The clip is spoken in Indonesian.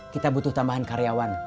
kita butuh tambahan karyawan